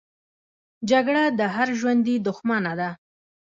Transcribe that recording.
جګړه د هر ژوندي دښمنه ده